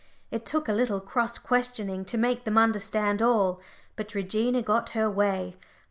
It took a little cross questioning to make them understand all; but Regina got her way.